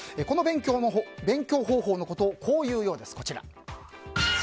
この勉強方法のことをこう言うようです。